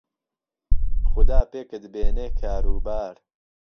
خودا پێکت بێنێ کار و بار